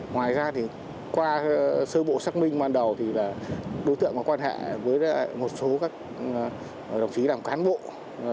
ngoài ra thì qua sơ bộ xác minh ban đầu thì đối tượng có quan hệ với một số các đồng chí làm cán bộ